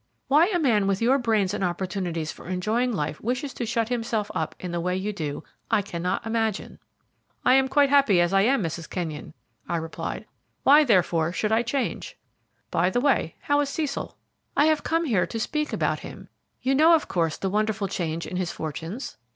"Why a man with your brains and opportunities for enjoying life wishes to shut himself up in the way you do, I cannot imagine." "I am quite happy as I am, Mrs. Kenyon," I replied; "why, therefore, should I change? By the way, how is Cecil?" "I have come here to speak about him. You know, of course, the wonderful change in his fortunes?"